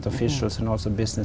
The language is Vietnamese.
tôi thường tìm kiếm